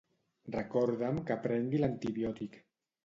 Recorda'm que prengui l'antibiòtic.